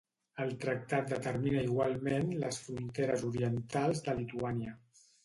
El tractat determina igualment les fronteres orientals de Lituània.